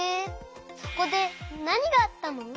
そこでなにがあったの？